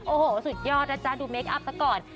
โอ้โหสุดยอดนะจ๊ะดูเคคอัพซะก่อน